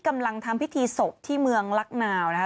กำลังทำพิธีศพที่เมืองลักนาวนะคะ